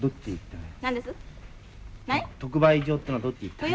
特売所っていうのはどっち行ったら。